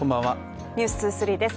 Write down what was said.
「ｎｅｗｓ２３」です。